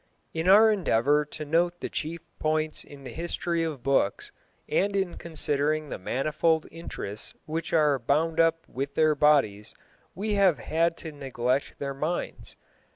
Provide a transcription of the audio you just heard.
In our endeavour to note the chief points in the history of books, and in considering the manifold interests which are bound up with their bodies, we have had to neglect their minds.